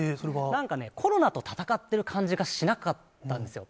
なんかコロナと闘ってる感じがしなかったんですよ。